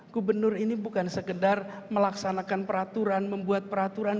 gubernur ini bukan sekedar melaksanakan peraturan membuat peraturan